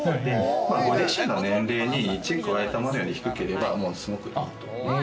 ご自身の年齢に１加えたものより低ければ、すごくいいと思う。